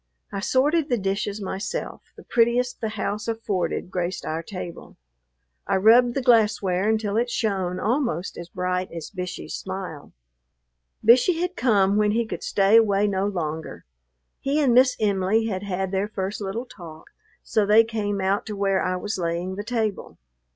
I sorted the dishes myself; the prettiest the house afforded graced our table. I rubbed the glassware until it shone almost as bright as Bishey's smile. Bishey had come when he could stay away no longer; he and Miss Em'ly had had their first little talk, so they came out to where I was laying the table.